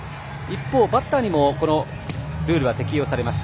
一方、バッターにもこのルールは適用されます。